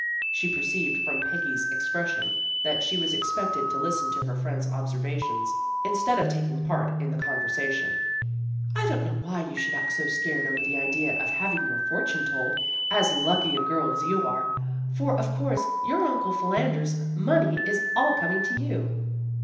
She perceived from Peggy's ex pression that she was expected to listen to her friend's observations, instead of taking part in the conversation. " I don't know why you should act so scared over the idea of having your fortune told, as lucky a girl as you are. For of course your Uncle Philander's money is all coming to you."